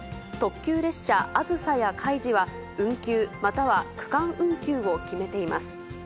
特急列車あずさやかいじは、運休、または区間運休を決めています。